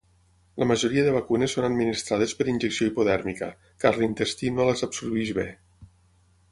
La majoria de vacunes són administrades per injecció hipodèrmica, car l'intestí no les absorbeix bé.